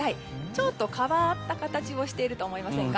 ちょっと変わった形をしていると思いませんか？